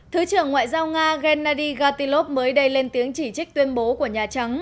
thứ trưởng ngoại giao nga gennady gatilov mới đây lên tiếng chỉ trích tuyên bố của nhà trắng